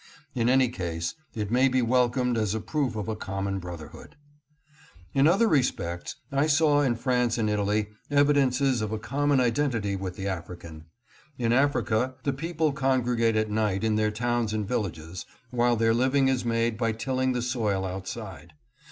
In any case it may be welcomed as a proof of a common brotherhood. In other respects I saw in France and Italy evidences of a common identity with the African. In Africa the people congregate at night in their towns and villages, while their living is made by tilling the soil outside.